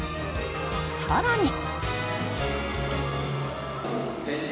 更に。